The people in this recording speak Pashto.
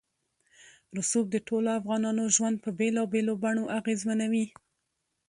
رسوب د ټولو افغانانو ژوند په بېلابېلو بڼو اغېزمنوي.